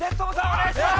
おねがいします！